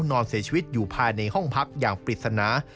นอนเสียชีวิตอยู่ภายในห้องพักอย่างปริศนา